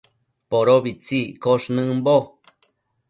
Podobitsi iccosh nëmbo